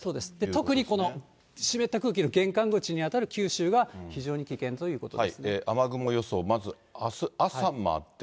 特に湿った空気の玄関口に当たる九州が、非常にということ雨雲予想、まずあす朝まで。